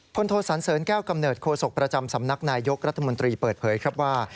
โทสันเสริญแก้วกำเนิดโคศกประจำสำนักนายยกรัฐมนตรีเปิดเผยครับว่า